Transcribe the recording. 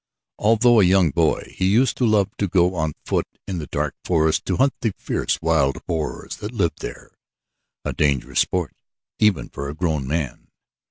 Although a young boy he used to love to go on foot in the dark forest to hunt the fierce wild boars that lived there a dangerous sport even for a grown man.